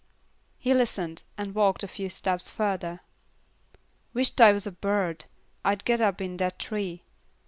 He listened, and walked a few steps further. "Wisht I was a bird, I'd get up in that tree.